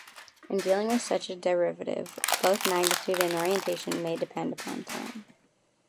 In dealing with such a derivative, both magnitude and orientation may depend upon time.